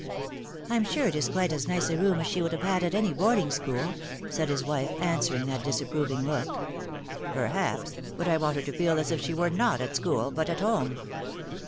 " I'm sure it is quite as nice a room as she would have at any boarding school," said his wife, answering that disapproving look. " Perhaps ; but I want her to feel as if she were not at school, but at home."